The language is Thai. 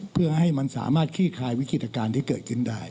เพื่อให้มันสามารถขี้คลายวิกฤตการณ์ที่เกิดขึ้นได้